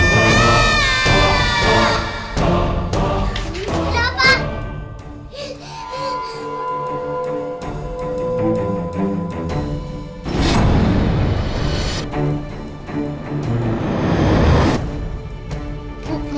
tidak ada yang bisa dipercaya